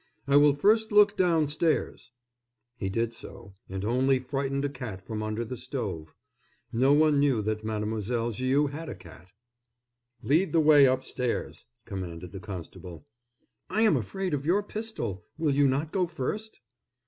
"I will first look downstairs." He did so, and only frightened a cat from under the stove. No one knew that Mademoiselle Viau had a cat. "Lead the way upstairs!" commanded the constable. "I am afraid of your pistol, will you not go first?"